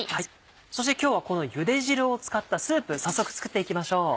そして今日はこのゆで汁を使ったスープ早速作っていきましょう。